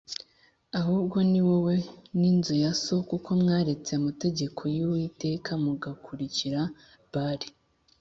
ahubwo ni wowe n’inzu ya so kuko mwaretse amategeko y’Uwiteka, mugakurikira Bāli